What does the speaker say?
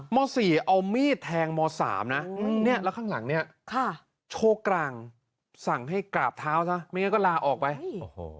ม๔เอามีดแทงม๓นะเนี่ยแล้วข้างหลังเนี่ยโชว์กลางสั่งให้กราบเท้าซะไม่งั้นก็ลาออกไปโอ้โห